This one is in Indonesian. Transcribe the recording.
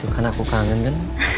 kan aku kangen kan